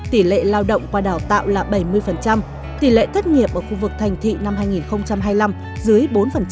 tỷ lệ lao động qua đào tạo là bảy mươi tỷ lệ thất nghiệp ở khu vực thành thị năm hai nghìn hai mươi năm dưới bốn